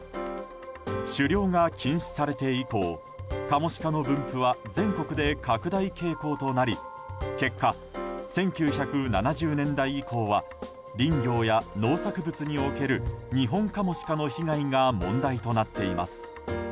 狩猟が禁止されて以降カモシカの分布は全国で拡大傾向となり結果、１９７０年代以降は林業や農作物におけるニホンカモシカの被害が問題となっています。